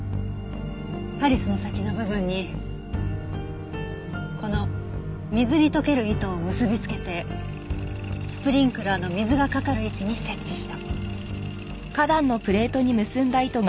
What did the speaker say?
ハリスの先の部分にこの水に溶ける糸を結びつけてスプリンクラーの水がかかる位置に設置した。